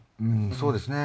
そうですね